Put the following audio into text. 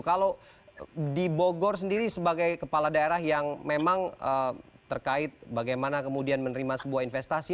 kalau di bogor sendiri sebagai kepala daerah yang memang terkait bagaimana kemudian menerima sebuah investasi